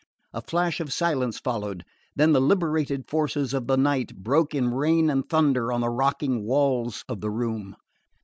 A flash of silence followed; then the liberated forces of the night broke in rain and thunder on the rocking walls of the room.